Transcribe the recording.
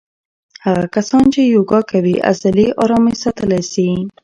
هغه کسان چې یوګا کوي عضلې آرامې ساتلی شي.